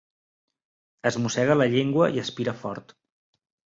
Es mossega la llengua i aspira fort.